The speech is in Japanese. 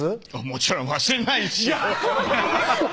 もちろん忘れないですよ！